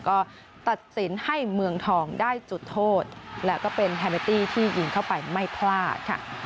ก็ตัดสินให้เมืองทองได้จุดโทษและก็เป็นแฮเมตตี้ที่ยิงเข้าไปไม่พลาดค่ะ